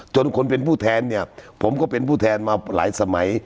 จนคนเป็นผู้แทนเนี่ยผมก็เป็นผู้แทนมาหลายสมัย